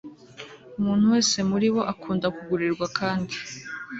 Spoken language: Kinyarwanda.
umuntu wese muri bo akunda kugurirwa kandi